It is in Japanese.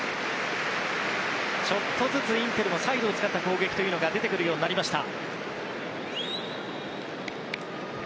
ちょっとずつインテルの左右を使った攻撃が出てくるようになりました。